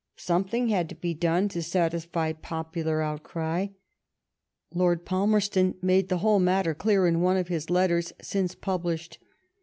Something had to be done to satisfy popular outcry. Lord Palmerston made the whole matter clear in one of his letters since published.